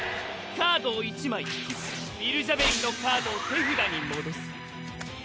カードを１枚引きヴィルジャベリンのカードを手札に戻す。